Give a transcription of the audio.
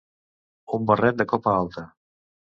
Un barret de copa alta.